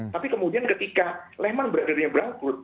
tapi kemudian ketika lehman berada di brankwood